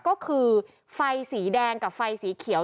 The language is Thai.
ก็คือไฟสีแดงกับไฟสีเขียว